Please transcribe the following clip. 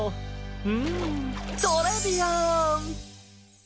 うんトレビアン！